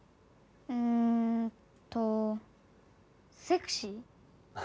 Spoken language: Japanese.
うーんとセクシー？